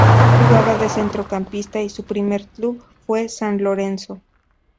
Jugaba de centrocampista y su primer club fue San Lorenzo.